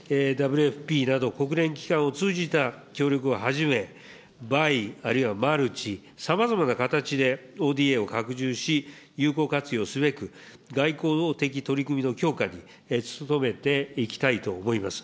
ＷＦＰなど国連機関を通じた協力をはじめ、バイ、あるいはマルチ、さまざまな形でＯＤＡを拡充し、有効活用すべく、外交的取り組みの強化に努めていきたいと思います。